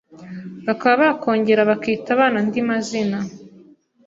bakaba bakongera bakita abana andi mazina